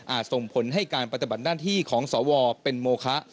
อาจส่งผลให้การประตบัดหน้าที่ของสอวอเป็นโมคะ